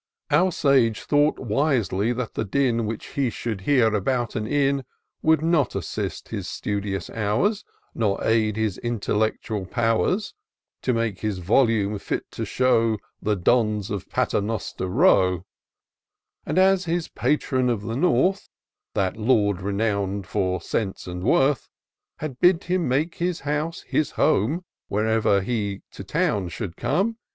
Our sage thought wisely that the din, Which he should hear about an inn, Would not assist his studious hours. Nor aid his intellectual powers. To make his volume fit to show The Pons of Paternoster Row; And as his Patron of the North, That Lord renown'd for sense and worth. Had bid him make his house his home Whenever he to town should come.